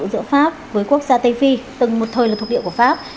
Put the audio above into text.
giữa pháp với quốc gia tây phi từng một thời là thuộc địa của pháp